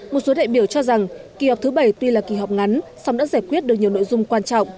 một số đại biểu cho rằng kỳ họp thứ bảy tuy là kỳ họp ngắn song đã giải quyết được nhiều nội dung quan trọng